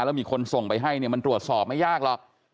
แล้วมีคนส่งไปให้เนี่ยมันตรวจสอบไม่ยากหรอก